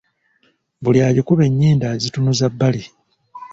Buli agikuba enyindo azitunuza bbali.